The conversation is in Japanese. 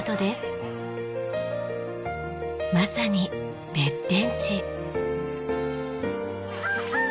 まさに別天地。